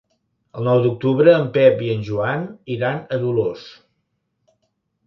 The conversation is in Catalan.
El nou d'octubre en Pep i en Joan iran a Dolors.